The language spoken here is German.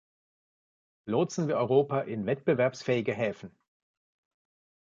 Lotsen wir Europa in wettbewerbsfähige Häfen!